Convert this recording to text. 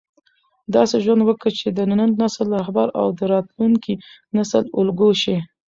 داسې ژوند وکړه چې د نن نسل رهبر او د راتلونکي نسل الګو شې.